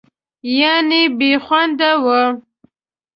یعنې بېخونده وه.